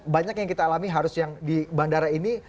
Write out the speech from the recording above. banyak yang kita alami harus yang di bandara ini